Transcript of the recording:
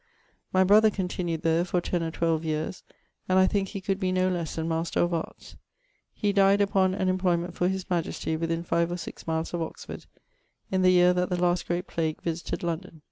My brother continued there for 10 or 12 yeares, and I thinke he could be noe lesse than Master of Arts. He died upon an imployment for his majesty, within 5 or 6 miles of Oxford, in the yeare that the last great plague visited London.